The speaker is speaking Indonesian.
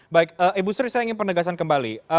baik ibu sri saya ingin penegasan kembali